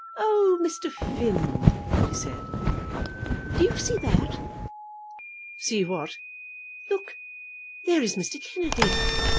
"Oh, Mr. Finn!" she said, "do you see that?" "See what?" "Look; There is Mr. Kennedy.